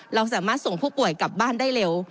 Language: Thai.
เราสามารถส่งผู้ป่วยกลับบ้านได้เร็ว